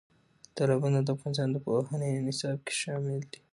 تالابونه د افغانستان د پوهنې نصاب کې شامل دي.